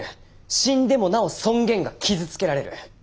死んでもなお尊厳が傷つけられる。